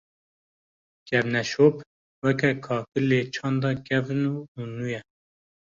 Kevneşop, weke kakilê çanda kevn û nû ye